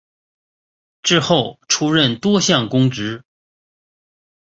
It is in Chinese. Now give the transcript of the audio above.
之后出任多项公职。